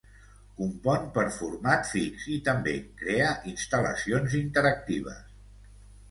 Compon per format fix i també crea instal·lacions interactives.